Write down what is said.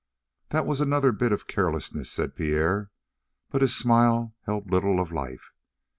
"That was another bit of carelessness," said Pierre, but his smile held little of life.